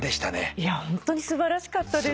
ホントに素晴らしかったです。